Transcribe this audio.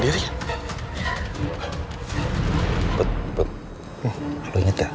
terus berkotong saja